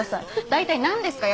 大体何ですか？